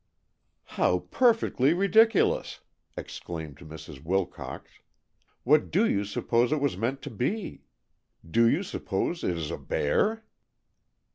"How perfectly ridiculous!" exclaimed Mrs. Wilcox. "What do you suppose it was meant to be? Do you suppose it is a bear?"